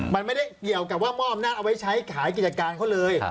มันไม่ได้เกี่ยวกับว่ามอบอำนาจเอาไว้ใช้ขายกิจการเขาเลย